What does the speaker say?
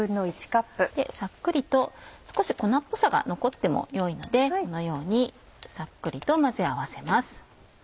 さっくりと少し粉っぽさが残ってもよいのでこのようにさっくりと混ぜ合わせます。